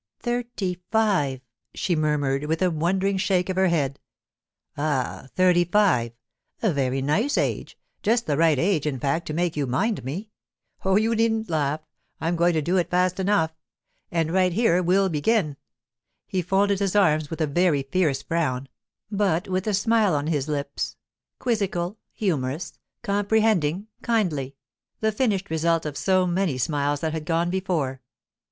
'Thirty five!' she murmured, with a wondering shake of her head. 'Ah—thirty five. A very nice age. Just the right age, in fact, to make you mind me. Oh, you needn't laugh; I'm going to do it fast enough. And right here we'll begin.' He folded his arms with a very fierce frown, but with a smile on his lips, quizzical, humorous, comprehending, kindly—the finished result of so many smiles that had gone before.